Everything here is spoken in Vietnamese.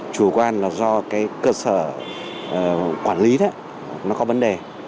chủ quan là do cái cơ sở quản lý đó nó có vấn đề